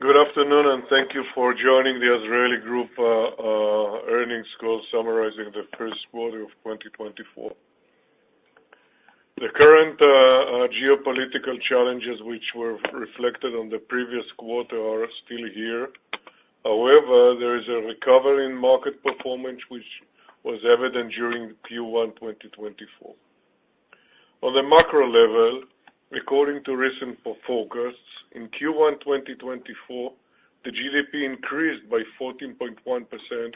Good afternoon, and thank you for joining the Azrieli Group earnings call summarizing the first quarter of 2024. The current geopolitical challenges, which were reflected on the previous quarter, are still here. However, there is a recovery in market performance, which was evident during Q1 2024. On the macro level, according to recent forecasts, in Q1 2024, the GDP increased by 14.1%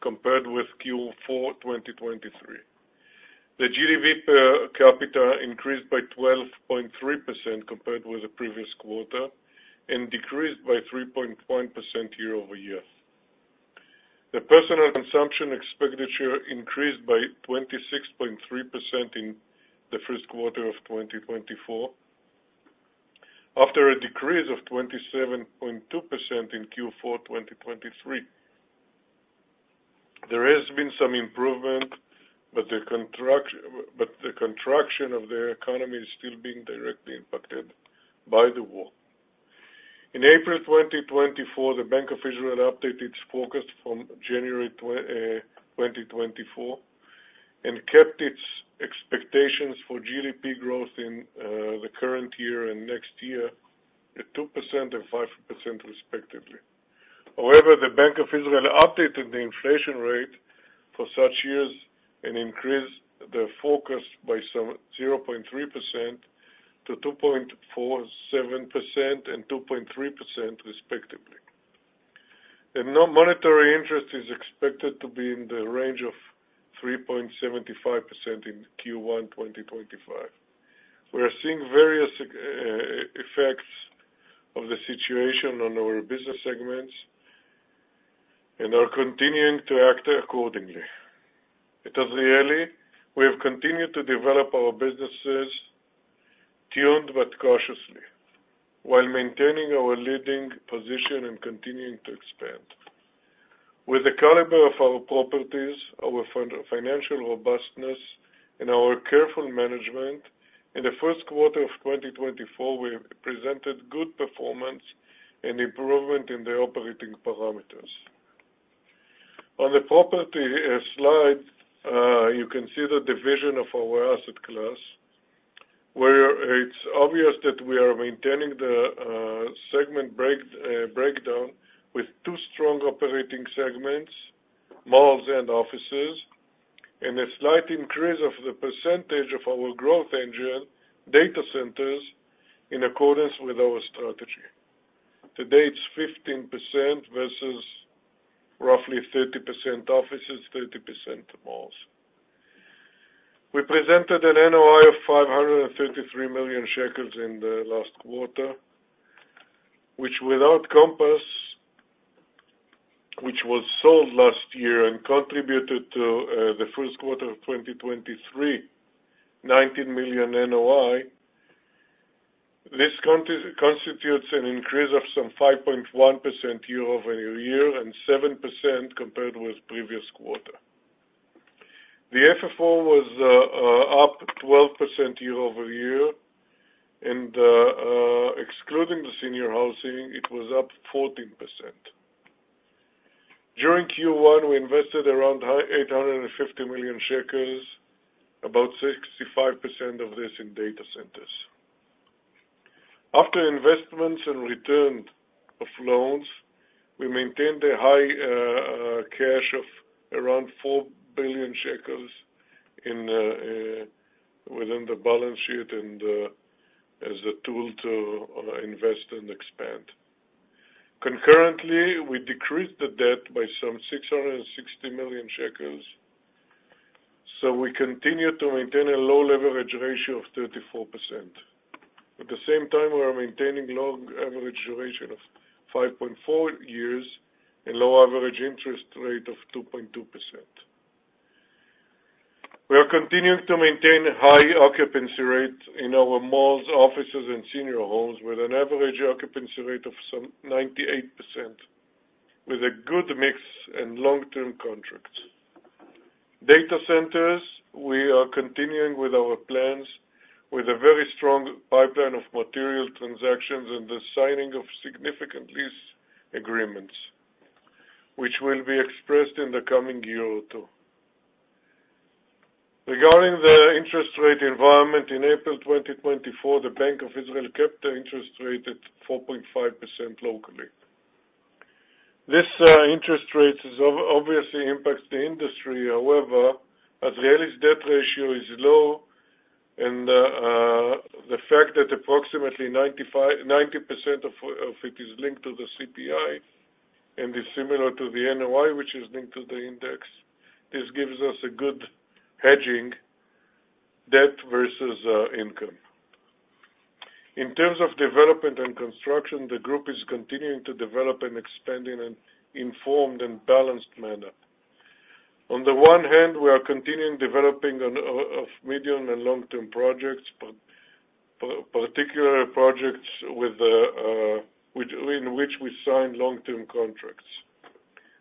compared with Q4 2023. The GDP per capita increased by 12.3% compared with the previous quarter, and decreased by 3.1% year-over-year. The personal consumption expenditure increased by 26.3% in the first quarter of 2024, after a decrease of 27.2% in Q4 2023. There has been some improvement, but the contraction of the economy is still being directly impacted by the war. In April 2024, the Bank of Israel updated its forecast from January 2024, and kept its expectations for GDP growth in the current year and next year at 2% and 5%, respectively. However, the Bank of Israel updated the inflation rate for such years and increased the forecast by some 0.3% to 2.7% and 2.3%, respectively. Nominal interest is expected to be in the range of 3.75% in Q1 2025. We are seeing various effects of the situation on our business segments and are continuing to act accordingly. At Azrieli, we have continued to develop our businesses tuned but cautiously, while maintaining our leading position and continuing to expand. With the caliber of our properties, our financial robustness, and our careful management, in the first quarter of 2024, we have presented good performance and improvement in the operating parameters. On the property slide, you can see the division of our asset class, where it's obvious that we are maintaining the segment breakdown with two strong operating segments, malls and offices, and a slight increase of the percentage of our growth engine, data centers, in accordance with our strategy. Today, it's 15% versus roughly 30% offices, 30% malls. We presented an NOI of 533 million shekels in the last quarter, which without Compass, which was sold last year and contributed to the first quarter of 2023, 19 million NOI. This constitutes an increase of some 5.1% year-over-year, and 7% compared with previous quarter. The FFO was up 12% year-over-year, and excluding the senior housing, it was up 14%. During Q1, we invested around 850 million shekels, about 65% of this in data centers. After investments and return of loans, we maintained a high cash of around ILS 4 billion within the balance sheet and as a tool to invest and expand. Concurrently, we decreased the debt by some 660 million shekels, so we continue to maintain a low leverage ratio of 34%. At the same time, we are maintaining low average duration of 5.4 years and low average interest rate of 2.2%. We are continuing to maintain high occupancy rate in our malls, offices, and senior homes, with an average occupancy rate of some 98%, with a good mix and long-term contracts. Data centers, we are continuing with our plans with a very strong pipeline of material transactions and the signing of significant lease agreements, which will be expressed in the coming year or two. Regarding the interest rate environment, in April 2024, the Bank of Israel kept the interest rate at 4.5% locally. This, interest rates obviously impacts the industry. However, Azrieli's debt ratio is low, and the fact that approximately 95-90% of it is linked to the CPI and is similar to the NOI, which is linked to the index, this gives us a good hedging debt versus income. In terms of development and construction, the group is continuing to develop and expand in an informed and balanced manner. On the one hand, we are continuing developing on of medium- and long-term projects, particular projects with which, in which we sign long-term contracts.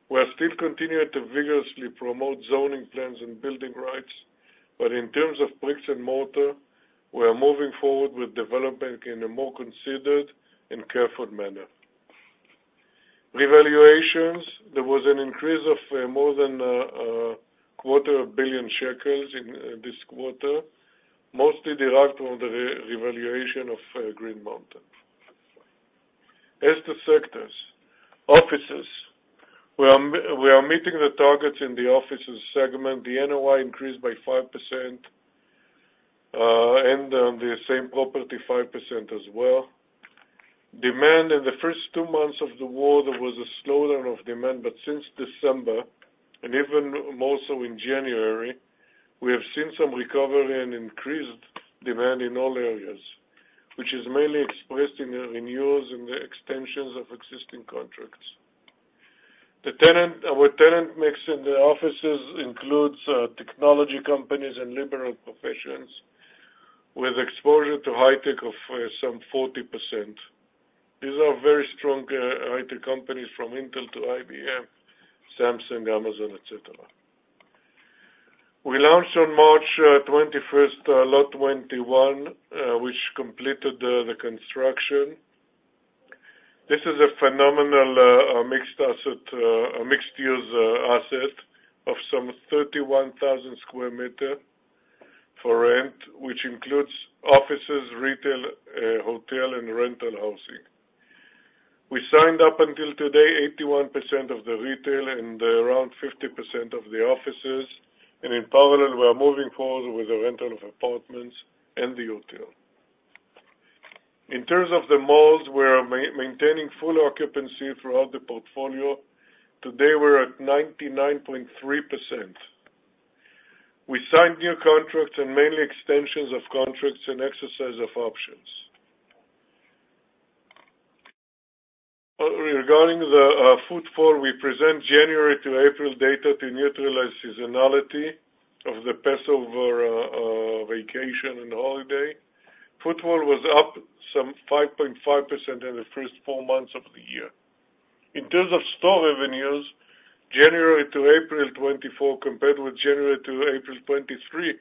We are still continuing to vigorously promote zoning plans and building rights, but in terms of bricks and mortar, we are moving forward with development in a more considered and careful manner. Revaluations, there was an increase of more than 250 million shekels in this quarter, mostly derived from the revaluation of Green Mountain. As to sectors, offices, we are meeting the targets in the offices segment. The NOI increased by 5%, and on the same property, 5% as well. Demand, in the first two months of the war, there was a slowdown of demand, but since December, and even more so in January, we have seen some recovery and increased demand in all areas, which is mainly expressed in the renewals and the extensions of existing contracts. The tenant, our tenant mix in the offices includes technology companies and liberal professions, with exposure to high-tech of some 40%. These are very strong high-tech companies, from Intel to IBM, Samsung, Amazon, et cetera. We launched on March 21, Lot 21, which completed the construction. This is a phenomenal mixed-use asset of some 31,000 square meters for rent, which includes offices, retail, hotel, and rental housing. We signed up until today, 81% of the retail and around 50% of the offices, and in parallel, we are moving forward with the rental of apartments and the hotel. In terms of the malls, we are maintaining full occupancy throughout the portfolio. Today, we're at 99.3%. We signed new contracts and mainly extensions of contracts and exercise of options. Regarding the footfall, we present January to April data to neutralize seasonality of the Passover vacation and holiday. Footfall was up some 5.5% in the first four months of the year. In terms of store revenues, January to April 2024, compared with January to April 2023,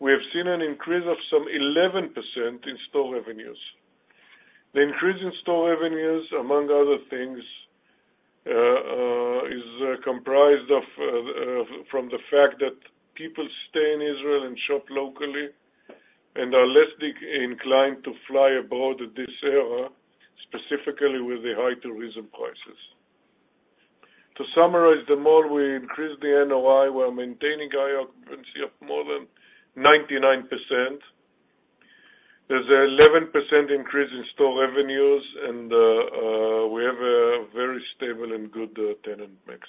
we have seen an increase of some 11% in store revenues. The increase in store revenues, among other things, is comprised of from the fact that people stay in Israel and shop locally, and are less disinclined to fly abroad at this era, specifically with the high tourism prices. To summarize, the more we increase the NOI, we're maintaining high occupancy of more than 99%. There's 11% increase in store revenues, and we have a very stable and good tenant mix.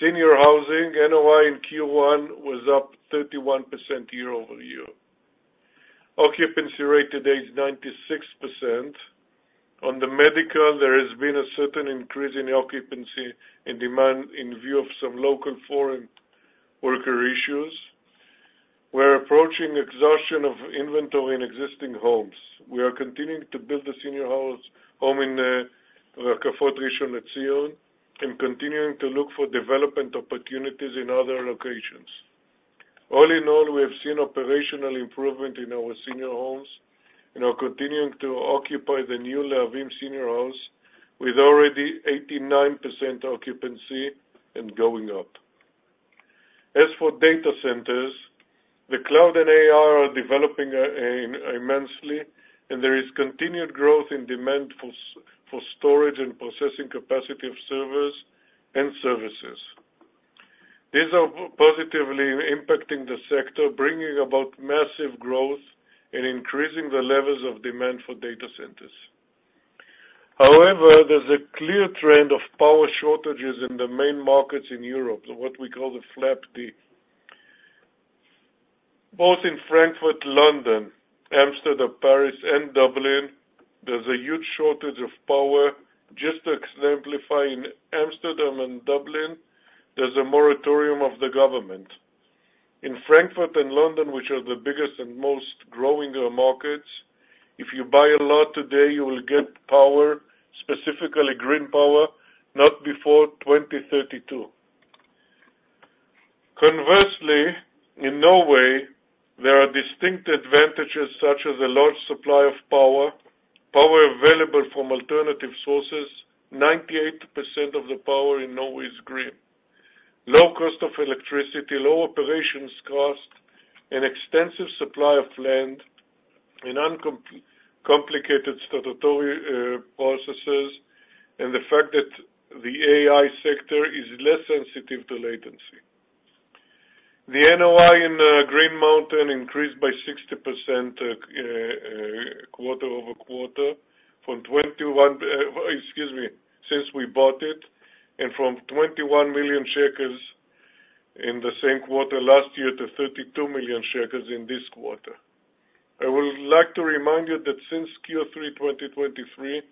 Senior housing, NOI in Q1 was up 31% year-over-year. Occupancy rate today is 96%. On the medical, there has been a certain increase in occupancy and demand in view of some local foreign worker issues. We're approaching exhaustion of inventory in existing homes. We are continuing to build the senior home in Rishon LeZion, and continuing to look for development opportunities in other locations. All in all, we have seen operational improvement in our senior homes and are continuing to occupy the new Lehavim senior house with already 89% occupancy and going up. As for data centers, the cloud and AI are developing immensely, and there is continued growth in demand for storage and processing capacity of servers and services. These are positively impacting the sector, bringing about massive growth and increasing the levels of demand for data centers. However, there's a clear trend of power shortages in the main markets in Europe, what we call the FLAP-D. Both in Frankfurt, London, Amsterdam, Paris, and Dublin, there's a huge shortage of power. Just to exemplify, in Amsterdam and Dublin, there's a moratorium of the government. In Frankfurt and London, which are the biggest and most growing markets, if you buy a lot today, you will get power, specifically green power, not before 2032. Conversely, in Norway, there are distinct advantages, such as a large supply of power, power available from alternative sources. 98% of the power in Norway is green. Low cost of electricity, low operations cost, an extensive supply of land, and uncomplicated statutory processes, and the fact that the AI sector is less sensitive to latency. The NOI in Green Mountain increased by 60% quarter-over-quarter, excuse me, since we bought it, and from 21 million shekels in the same quarter last year to 32 million shekels in this quarter. I would like to remind you that since Q3 2023,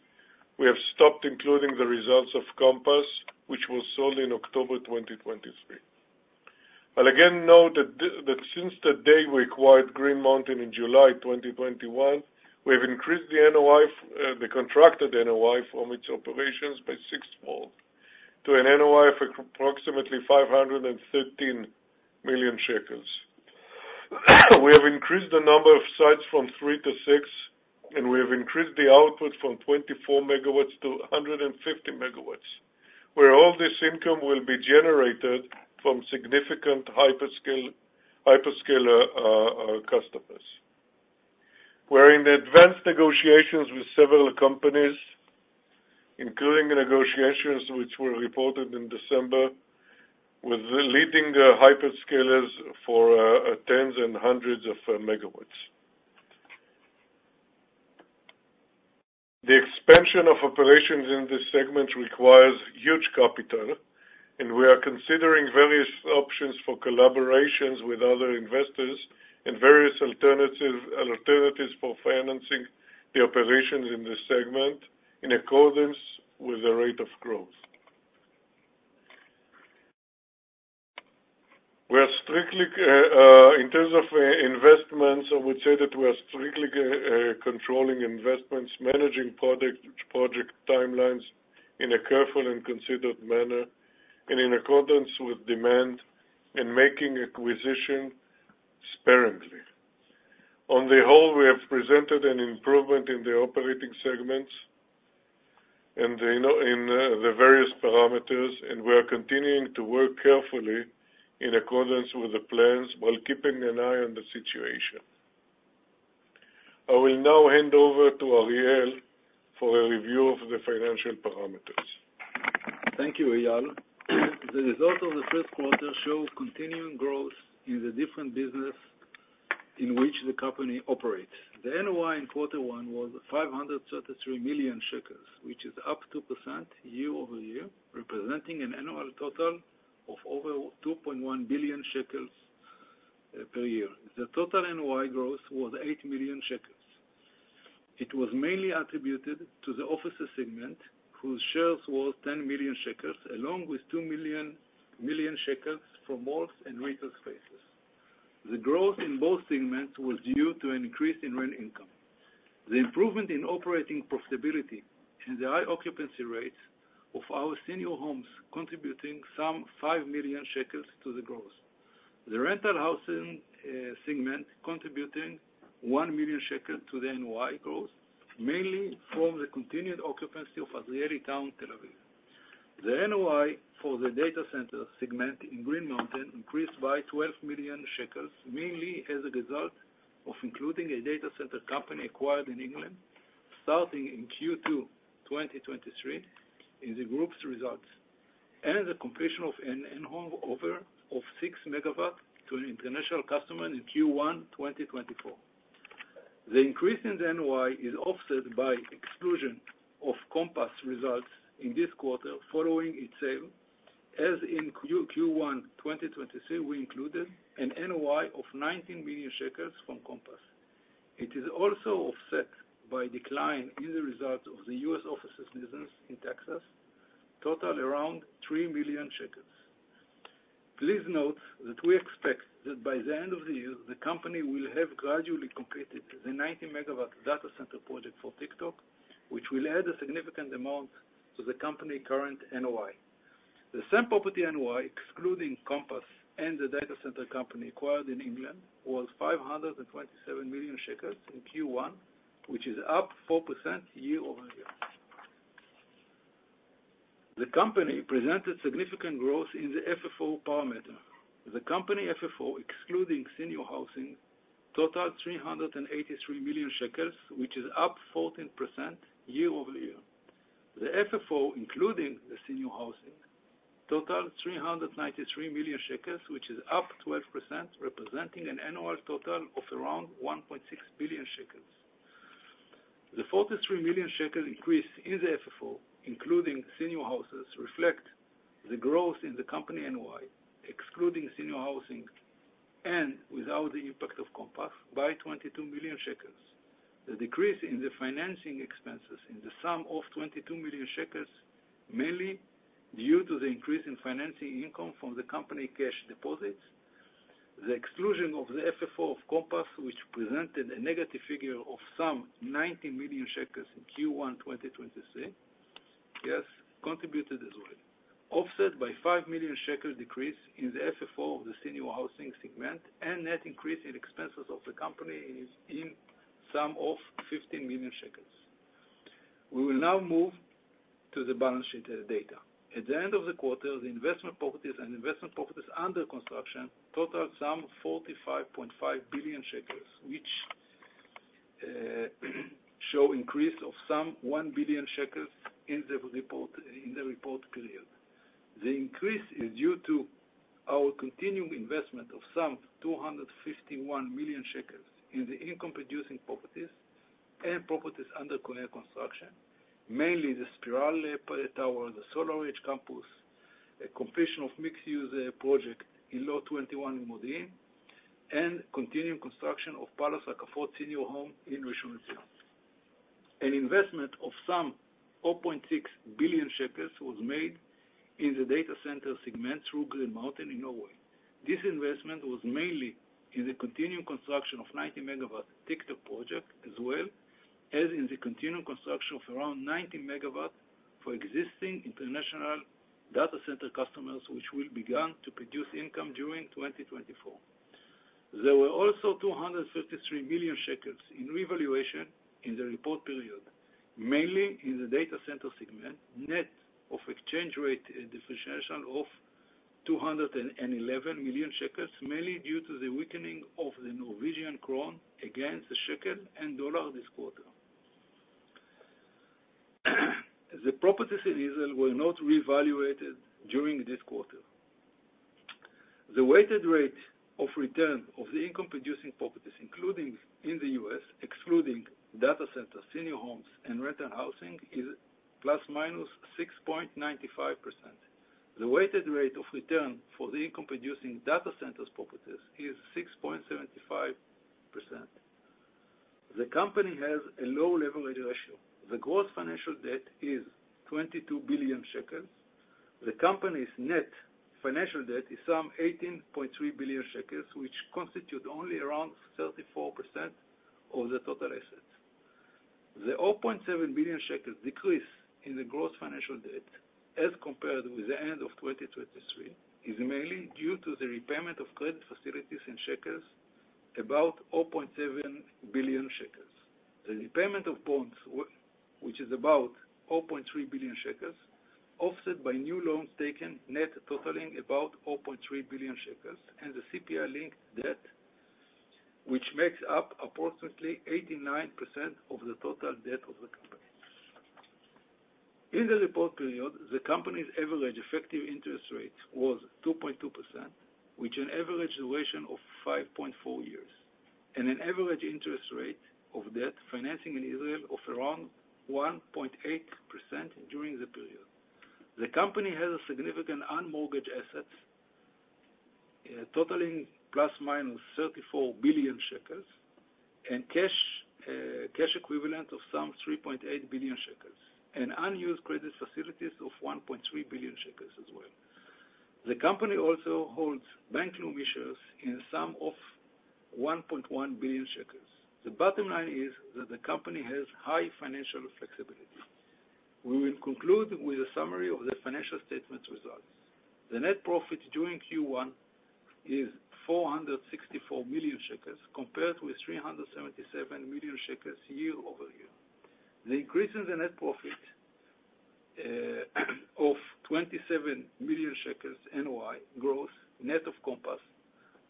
we have stopped including the results of Compass, which was sold in October 2023. But again, note that since the day we acquired Green Mountain in July 2021, we have increased the NOI, the contracted NOI from its operations by sixfold, to an NOI of approximately 513 million shekels. We have increased the number of sites from three to six, and we have increased the output from 24 megawatts to 150 megawatts, where all this income will be generated from significant hyperscaler customers. We're in advanced negotiations with several companies, including the negotiations which were reported in December, with the leading hyperscalers for tens and hundreds of megawatts. The expansion of operations in this segment requires huge capital, and we are considering various options for collaborations with other investors and various alternatives for financing the operations in this segment, in accordance with the rate of growth. We are strictly in terms of investments, I would say that we are strictly controlling investments, managing project timelines in a careful and considered manner, and in accordance with demand, and making acquisitions sparingly. On the whole, we have presented an improvement in the operating segments and in the various parameters, and we are continuing to work carefully in accordance with the plans, while keeping an eye on the situation. I will now hand over to Irit for a review of the financial parameters. Thank you, Eyal. The results of the third quarter show continuing growth in the different business in which the company operates. The NOI in quarter one was 533 million shekels, which is up 2% year-over-year, representing an annual total of over 2.1 billion shekels per year. The total NOI growth was 8 million shekels. It was mainly attributed to the office segment, whose shares was 10 million shekels, along with two million shekels from malls and retail spaces. The growth in both segments was due to an increase in rent income. The improvement in operating profitability and the high occupancy rates of our senior homes, contributing some 5 million shekels to the growth. The rental housing segment, contributing 1 million shekels to the NOI growth, mainly from the continued occupancy of Azrieli Town Tel Aviv. The NOI for the data center segment in Green Mountain increased by 12 million shekels, mainly as a result of including a data center company acquired in England, starting in Q2 2023, in the group's results, and the completion of an handover of 6 MW to an international customer in Q1 2024. The increase in the NOI is offset by exclusion of Compass results in this quarter, following its sale. As in Q1 2023, we included an NOI of 19 million shekels from Compass. It is also offset by decline in the results of the US offices business in Texas, total around 3 million shekels. Please note that we expect that by the end of the year, the company will have gradually completed the 90-MW data center project for TikTok, which will add a significant amount to the company current NOI. The same property NOI, excluding Compass and the data center company acquired in England, was 527 million shekels in Q1, which is up 4% year-over-year. The company presented significant growth in the FFO parameter. The company FFO, excluding senior housing, totaled 383 million shekels, which is up 14% year-over-year. The FFO, including the senior housing, totaled 393 million shekels, which is up 12%, representing an annual total of around 1.6 billion shekels. The 43 million shekels increase in the FFO, including senior houses, reflect the growth in the company NOI, excluding senior housing and without the impact of Compass, by 22 million shekels. The decrease in the financing expenses in the sum of 22 million shekels, mainly due to the increase in financing income from the company cash deposits. The exclusion of the FFO of Compass, which presented a negative figure of some 90 million shekels in Q1 2023, yes, contributed as well. Offset by 5 million shekels decrease in the FFO of the senior housing segment, and net increase in expenses of the company is in sum of 15 million shekels. We will now move to the balance sheet, data. At the end of the quarter, the investment properties and investment properties under construction, total sum 45.5 billion shekels, which show increase of some 1 billion shekels in the report, in the report period. The increase is due to our continuing investment of some 251 million shekels in the income-producing properties and properties under current construction, mainly the Spiral Tower, the SolarEdge Campus, a completion of mixed-use project in Lot 21 in Modi'in, and continuing construction of Palace Rishon LeZion senior home in Rishon LeZion. An investment of some 4.6 billion shekels was made in the data center segment through Green Mountain in Norway. This investment was mainly in the continuing construction of 90 MW TikTok project, as well as in the continuing construction of around 90 MW for existing international data center customers, which will begin to produce income during 2024. There were also 253 million shekels in revaluation in the report period, mainly in the data center segment, net of exchange rate differentiation of 211 million shekels, mainly due to the weakening of the Norwegian krone against the shekel and dollar this quarter. The properties in Israel were not reevaluated during this quarter. The weighted rate of return of the income producing properties, including in the US, excluding data centers, senior homes, and rental housing, is ±6.95%. The weighted rate of return for the income producing data centers properties is 6.75%. The company has a low leverage ratio. The gross financial debt is 22 billion shekel. The company's net financial debt is some 18.3 billion shekels, which constitute only around 34% of the total assets. The 0.7 billion shekels decrease in the gross financial debt, as compared with the end of 2023, is mainly due to the repayment of credit facilities in shekels, about 0.7 billion shekels. The repayment of bonds, which is about 4.3 billion shekels, offset by new loans taken, net totaling about 4.3 billion shekels, and the CPI-linked debt, which makes up approximately 89% of the total debt of the company. In the report period, the company's average effective interest rate was 2.2%, with an average duration of 5.4 years, and an average interest rate of debt financing in Israel of around 1.8% during the period. The company has a significant unmortgaged assets, totaling ±34 billion shekels, and cash, cash equivalent of some 3.8 billion shekels, and unused credit facilities of 1.3 billion shekels as well. The company also holds bank loan issues in the sum of 1.1 billion shekels. The bottom line is that the company has high financial flexibility. We will conclude with a summary of the financial statement results. The net profit during Q1 is 464 million shekels, compared with 377 million shekels year-over-year. The increase in the net profit of 27 million shekels NOI growth, net of Compass,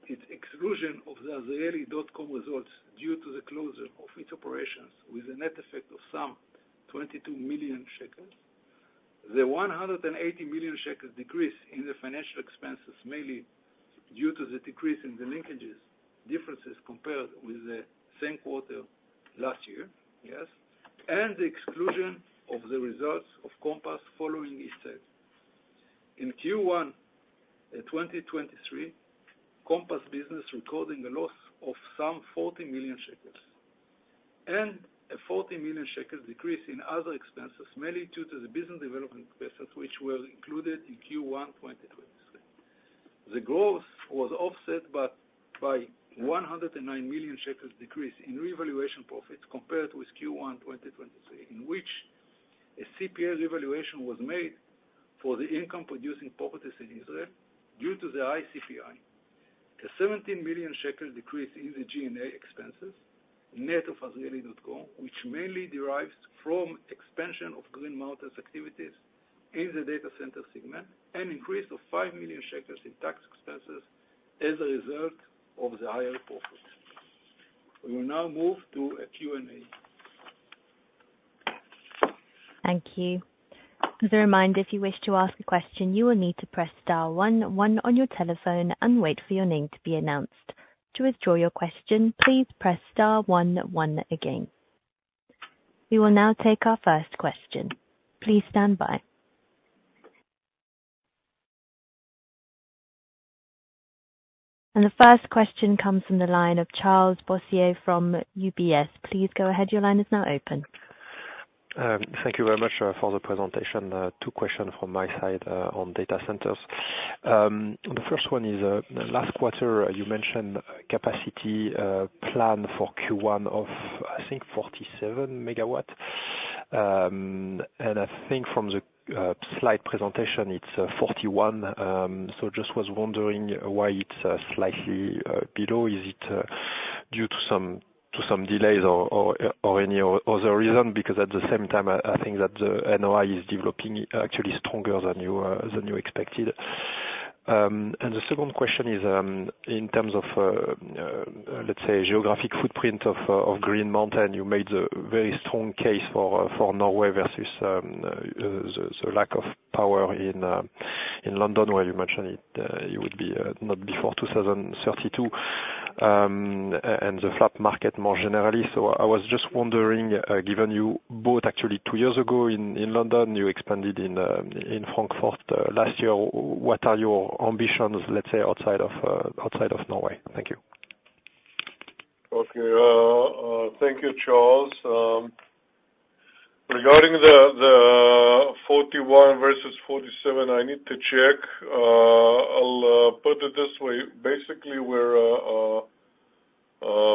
its exclusion of the Azrieli.com results due to the closure of its operations, with a net effect of some 22 million shekels. The 180 million shekels decrease in the financial expenses, mainly due to the decrease in the linkages, differences compared with the same quarter last year, yes, and the exclusion of the results of Compass following its sale. In Q1 2023, Compass business recording a loss of some 40 million shekels, and a 40 million shekels decrease in other expenses, mainly due to the business development expenses, which were included in Q1 2023. The growth was offset by one hundred and nine million shekels decrease in revaluation profits compared with Q1 2023, in which a CPI revaluation was made for the income producing properties in Israel due to the high CPI. The 17 million shekel decrease in the G&A expenses, net of Azrieli.com, which mainly derives from expansion of Green Mountain's activities in the data center segment, an increase of 5 million shekels in tax expenses as a result of the higher profits. We will now move to a Q&A. Thank you. As a reminder, if you wish to ask a question, you will need to press star one one on your telephone and wait for your name to be announced. To withdraw your question, please press star one one again. We will now take our first question. Please stand by. The first question comes from the line of Charles Boissier from UBS. Please go ahead, your line is now open. Thank you very much for the presentation. Two questions from my side on data centers. The first one is, last quarter, you mentioned capacity plan for Q1 of, I think, 47 MW. And I think from the slide presentation, it's 41 MW. So just was wondering why it's slightly below. Is it due to some delays or any other reason? Because at the same time, I think that the NOI is developing actually stronger than you expected. And the second question is, in terms of, let's say, geographic footprint of, of Green Mountain, you made a very strong case for, for Norway versus, the, the lack of power in, in London, where you mentioned it, it would be, not before 2032, and the FLAP market more generally. So I was just wondering, given you bought actually two years ago in, in London, you expanded in, in Frankfurt, last year, what are your ambitions, let's say, outside of, outside of Norway? Thank you.... Okay, thank you, Charles. Regarding the 41 versus 47, I need to check. I'll put it this way, basically, we're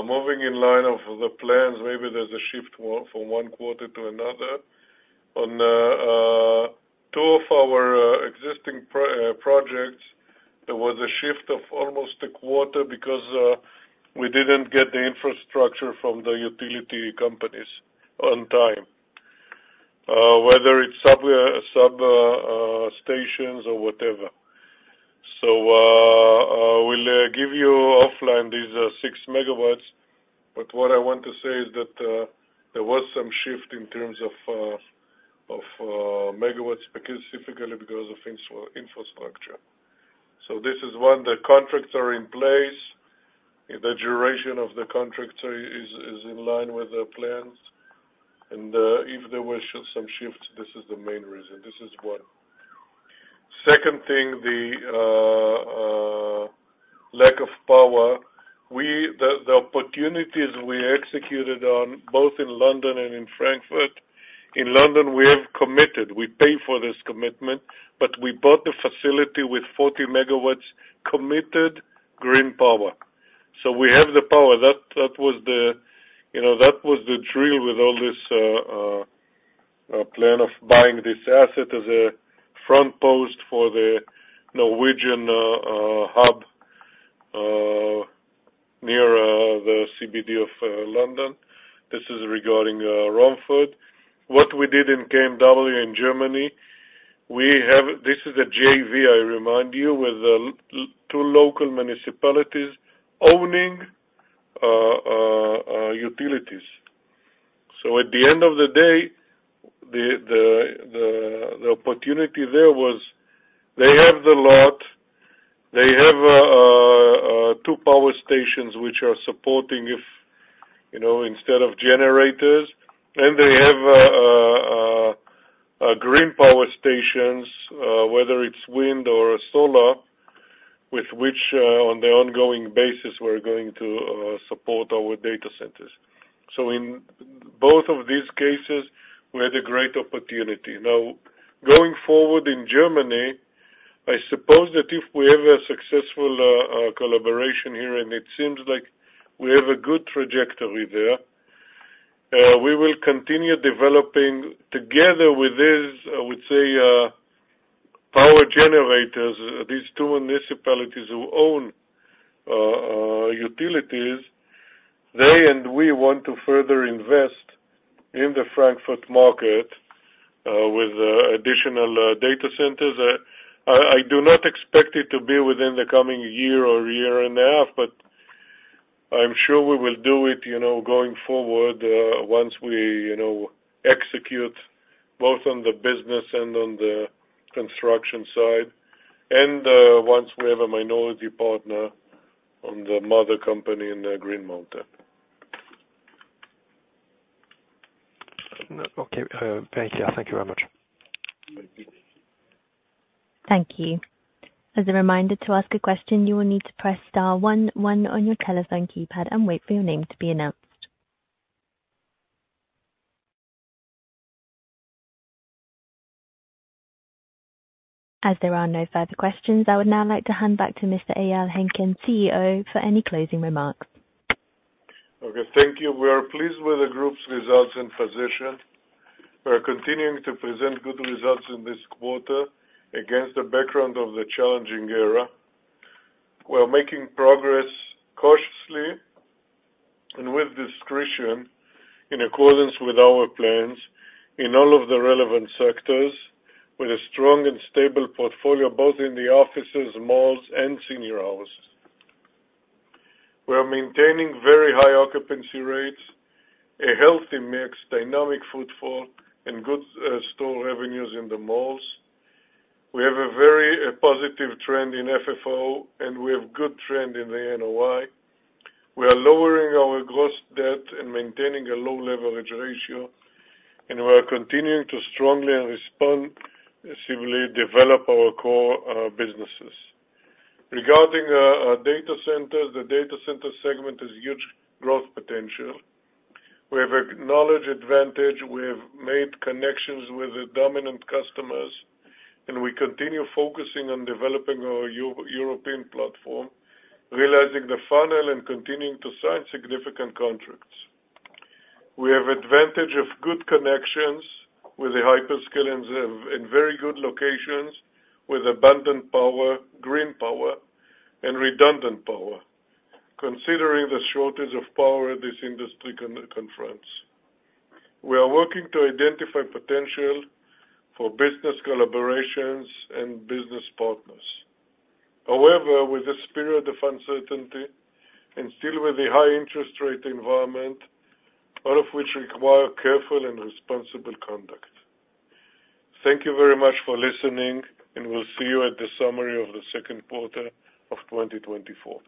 moving in line of the plans. Maybe there's a shift from one quarter to another. On two of our existing projects, there was a shift of almost a quarter because we didn't get the infrastructure from the utility companies on time, whether it's supply substations or whatever. So, we'll give you offline these 6 MW, but what I want to say is that there was some shift in terms of megawatts, specifically because of infrastructure. So this is one, the contracts are in place, the duration of the contract is in line with the plans, and if there were some shifts, this is the main reason. This is one. Second thing, the lack of power. The opportunities we executed on, both in London and in Frankfurt, in London, we have committed, we pay for this commitment, but we bought the facility with 40 megawatts committed green power. So we have the power. That was the, you know, that was the drill with all this plan of buying this asset as a front post for the Norwegian hub near the CBD of London. This is regarding Romford. What we did in KMW in Germany, we have... This is a JV, I remind you, with two local municipalities owning utilities. So at the end of the day, the opportunity there was, they have the lot, they have two power stations which are supporting if, you know, instead of generators, and they have green power stations, whether it's wind or solar, with which, on the ongoing basis, we're going to support our data centers. So in both of these cases, we had a great opportunity. Now, going forward in Germany, I suppose that if we have a successful collaboration here, and it seems like we have a good trajectory there, we will continue developing together with these, I would say, power generators, these two municipalities who own utilities. They and we want to further invest in the Frankfurt market, with additional data centers. I do not expect it to be within the coming year or year and a half, but I'm sure we will do it, you know, going forward, once we, you know, execute both on the business and on the construction side, and once we have a minority partner on the mother company in the Green Mountain. Okay, thank you. Thank you very much. Thank you. As a reminder, to ask a question, you will need to press star one one on your telephone keypad and wait for your name to be announced. As there are no further questions, I would now like to hand back to Mr. Eyal Henkin, CEO, for any closing remarks. Okay, thank you. We are pleased with the group's results and position. We are continuing to present good results in this quarter against the background of the challenging era. We are making progress cautiously and with discretion, in accordance with our plans in all of the relevant sectors, with a strong and stable portfolio, both in the offices, malls, and senior houses. We are maintaining very high occupancy rates, a healthy mix, dynamic footfall, and good store revenues in the malls. We have a very positive trend in FFO, and we have good trend in the NOI. We are lowering our gross debt and maintaining a low leverage ratio, and we are continuing to strongly and responsively develop our core businesses. Regarding our data centers, the data center segment has huge growth potential. We have a knowledge advantage, we have made connections with the dominant customers, and we continue focusing on developing our European platform, realizing the funnel and continuing to sign significant contracts. We have advantage of good connections with the hyperscalers and very good locations with abundant power, green power, and redundant power, considering the shortage of power this industry confronts. We are working to identify potential for business collaborations and business partners. However, with this period of uncertainty and still with the high interest rate environment, all of which require careful and responsible conduct. Thank you very much for listening, and we'll see you at the summary of the second quarter of 2024.